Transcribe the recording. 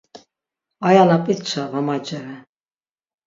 Aya na p̌itşa va maceren.